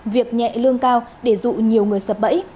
việc nhẹ lương cao để dụ nhiều người sập bẫy